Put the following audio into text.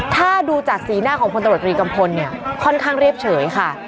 ถ้าดูจากสีหน้าของพลตำรวจตรีกัมพลเนี่ยค่อนข้างเรียบเฉยค่ะ